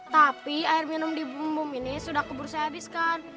tapi air minum di bumbum ini sudah kebursa habiskan